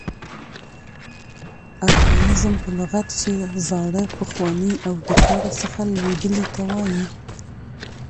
ارکاییزم په لغت کښي زاړه، پخواني او د کاره څخه لوېدلي ته وایي.